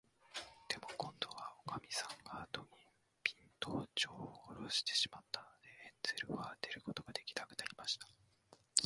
でも、こんどは、おかみさんが戸に、ぴんと、じょうをおろしてしまったので、ヘンゼルは出ることができなくなりました。